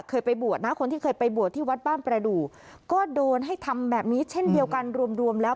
เคยไปบวชนะคนที่เคยไปบวชที่วัดบ้านประดูกก็โดนให้ทำแบบนี้เช่นเดียวกันรวมแล้ว